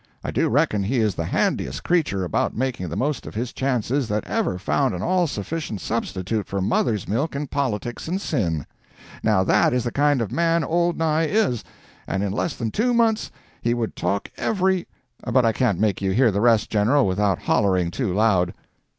I do reckon he is the handiest creature about making the most of his chances that ever found an all sufficient substitute for mother's milk in politics and sin. Now that is the kind of man old Nye is—and in less than two months he would talk every—But I can't make you hear the rest, General, without hollering too loud."